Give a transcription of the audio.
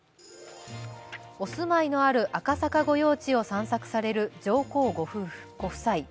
お住まいのある赤坂御用地を散策される上皇ご夫妻。